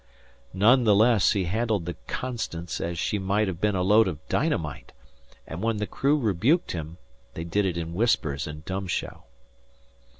None the less he handled the "Constance" as if she might have been a load of dynamite, and when the crew rebuked him, they did it in whispers and dumb show.